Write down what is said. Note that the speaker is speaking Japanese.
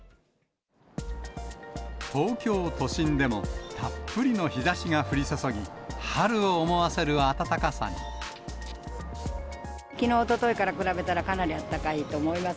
東京都心でも、たっぷりの日ざしが降り注ぎ、きのう、おとといから比べたら、かなりあったかいと思います。